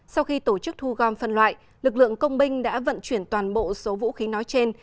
sau khi tổ chức thu gom phân loại lực lượng công binh đã vận chuyển toàn bộ số vũ khí nói trên